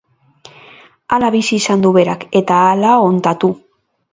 Hala bizi izan du berak, eta halaontatu.